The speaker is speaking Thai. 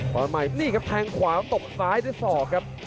ตอนใหม่นี่ครับแทงขวาตบซ้ายด้วยศอกครับ